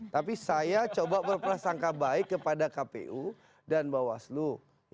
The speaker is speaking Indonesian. tapi saya coba berprasangka baik kepada kpu dan bawaslu